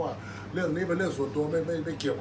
อันไหนที่มันไม่จริงแล้วอาจารย์อยากพูด